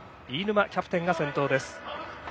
飯沼キャプテンが先頭です。